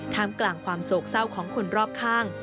กลางกลางความโศกเศร้าของคนรอบข้าง